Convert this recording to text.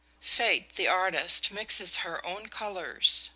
Fate, the artist, mixes her own colors.